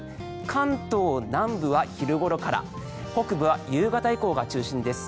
関東南部は昼ごろから北部は夕方以降が中心です。